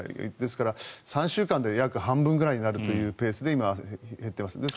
ですから、３週間で約半分くらいになるというペースで今、減っています。